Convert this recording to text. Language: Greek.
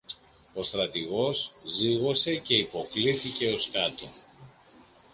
Ο στρατηγός ζύγωσε και υποκλίθηκε ως κάτω.